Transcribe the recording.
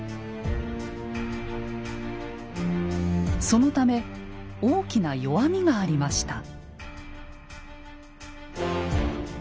そのため大きな弱みがありました。